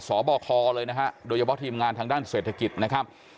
สอบคอเลยนะฮะโดยเฉพาะทีมงานทางด้านเศรษฐกิจนะครับ